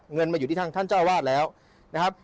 เงินมาอยู่ที่ทางท่านเจ้าวาดแล้วนะครับ